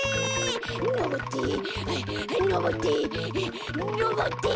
のぼってはいのぼってのぼって。